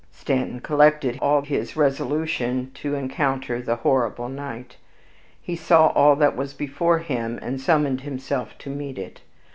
Stanton collected all his resolution to encounter the horrible night; he saw all that was before him, and summoned himself to meet it.